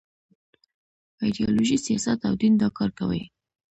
ایډیالوژي، سیاست او دین دا کار کوي.